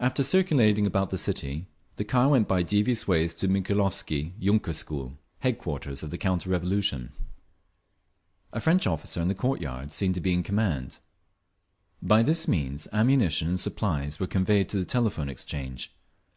After circulating about the city, the car went by devious ways to the Mikhailovsky yunker school, headquarters of the counter revolution. A French officer, in the court yard, seemed to be in command…. By this means ammunition and supplies were conveyed to the Telephone Exchange.